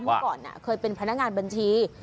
เมื่อก่อนเคยเป็นพนักงานบัญชี